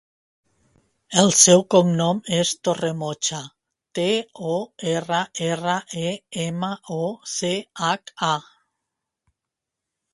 El seu cognom és Torremocha: te, o, erra, erra, e, ema, o, ce, hac, a.